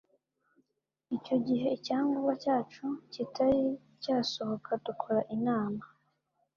Icyo gihe icyangombwa cyacu kitari cyasohoka dukora inama